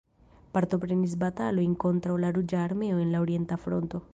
Partoprenis batalojn kontraŭ la Ruĝa Armeo en la orienta fronto.